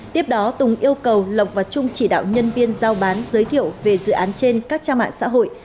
tiếp đó tùng yêu cầu lộc và trung chỉ đạo nhân viên giao bán giới thiệu về dự án trên các trang mạng xã hội